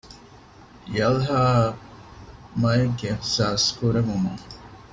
ޔަލްހާއަށް މައެއްގެ އިހްސާސް ކުރެވުމުން